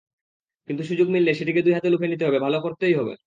কিন্তু সুযোগ মিললে, সেটিকে দুই হাতে লুফে নিতে হবে, ভালো করতেই হবে।